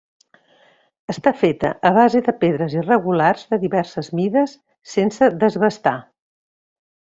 Està feta a base de pedres irregulars de diverses mides sense desbastar.